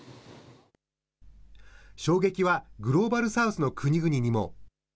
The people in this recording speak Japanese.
衝撃はグローバル・サウスの国々にも。